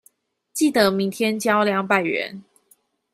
記得明天交兩百元